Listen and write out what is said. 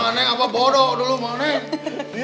gak apa bodoh dulu mau diir